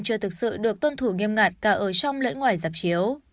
chưa thực sự được tôn thủ nghiêm ngặt cả ở trong lẫn ngoài giạp chiếu